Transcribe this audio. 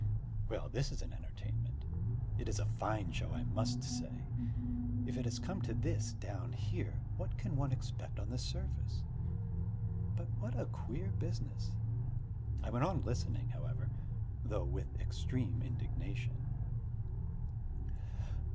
Well, this is an entertainment, it is a fine show, I must say! If it has come to this down here, what can one expect on the surface? But what a queer business! I went on listening, however, though with extreme indignation.